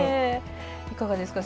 いかがですか？